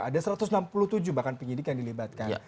ada satu ratus enam puluh tujuh bahkan penyidik yang dilibatkan